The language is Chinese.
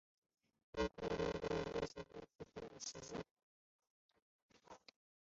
曼谷地铁的挽赐车站位于该区最西北角。